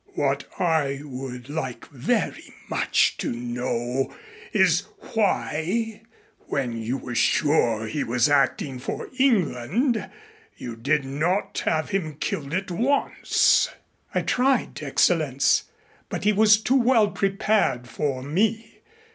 What I would like very much to know is why, when you were sure he was acting for England, you did not have him killed at once." "I tried, Excellenz, but he was too well prepared for me.